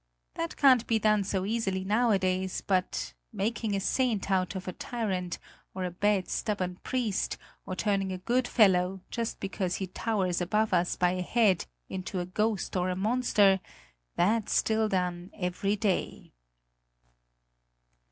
That can't be done so easily nowadays, but making a saint out of a tyrant or a bad, stubborn priest, or turning a good fellow, just because he towers above us by a head, into a ghost or a monster that's still done every day."